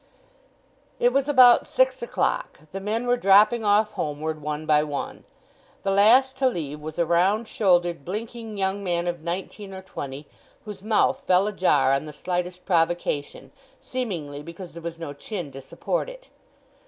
It was about six o'clock; the men were dropping off homeward one by one. The last to leave was a round shouldered, blinking young man of nineteen or twenty, whose mouth fell ajar on the slightest provocation, seemingly because there was no chin to support it.